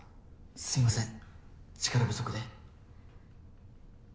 すみません力不足で。